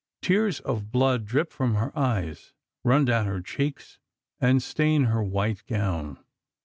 Tears of blood drip from her eyes, run down her cheeks, and stain her white gown.